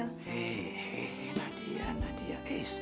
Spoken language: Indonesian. hei nadia nadia